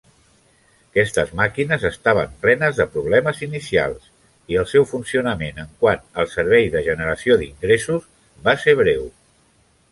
Aquestes màquines estaven plenes de problemes inicials i el seu funcionament en quant al servei de generació d'ingressos va ser breu.